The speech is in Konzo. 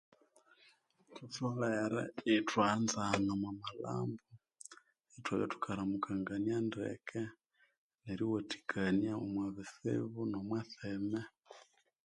Thutholere ithwanzana omwa malhambo Ithwabya thukaramukangania ndeke ithwawathikania omwa bitsibu no mwatseme